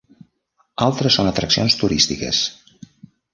Altres són atraccions turístiques.